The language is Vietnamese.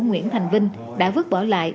nguyễn thành vinh đã vứt bỏ lại